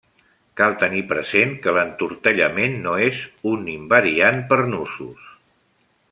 Cal tenir present que l'entortellament no és un invariant per nusos.